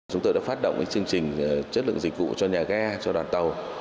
chúng tôi đã phát động những chương trình chất lượng dịch vụ cho nhà ghe cho đoàn tàu